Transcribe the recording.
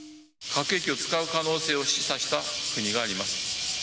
核兵器を使う可能性を示唆した国があります。